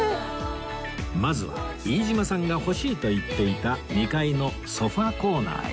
まずは飯島さんが欲しいと言っていた２階のソファコーナーへ